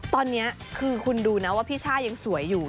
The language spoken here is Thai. ตอนนี้คือคุณดูนะว่าพี่ช่ายังสวยอยู่